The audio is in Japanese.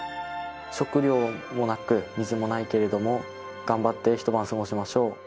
食料もなく、水もないけれども、頑張って一晩過ごしましょう。